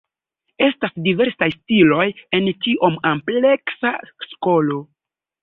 Estas diversaj stiloj en tiom ampleksa skolo.